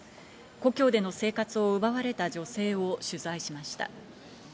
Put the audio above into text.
故郷での生活を奪われた女性を取材しました。